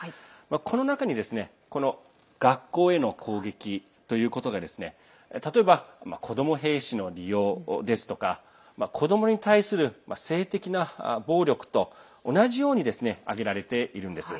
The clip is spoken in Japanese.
この中に学校への攻撃ということが子ども兵士の利用ですとか子どもに対する性的な暴力などと同じように挙げられているんです。